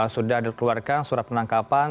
sudah dikeluarkan surat penangkapan